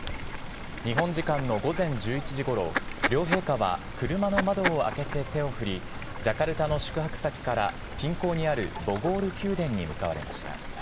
日本時間の午前１１時ごろ、両陛下は車の窓を開けて手を振り、ジャカルタの宿泊先から、近郊にあるボゴール宮殿に向かわれました。